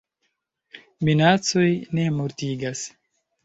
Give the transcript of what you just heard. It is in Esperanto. Minacoj ne mortigas.